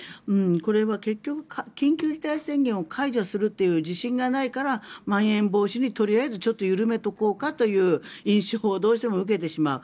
これは結局、緊急事態宣言を解除するっていう自信がないからまん延防止にとりあえずちょっと緩めておこうかという印象をどうしても受けてしまう。